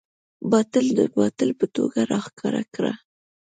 باطل د باطل په توګه راښکاره کړه.